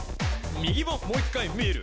「右ももう１回見る！